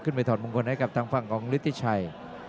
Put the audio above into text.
ไปถอดมงคลให้กับทางฝั่งของฤทธิชัย